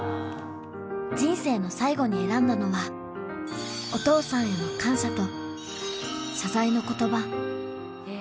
人生の最後に選んだのはお父さんへの感謝と謝罪の言葉